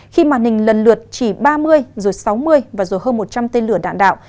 khi màn hình lần lượt chỉ ba mươi rồi sáu mươi và rồi hơn một trăm linh tên lửa đạn đạo